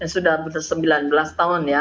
sudah sembilan belas tahun ya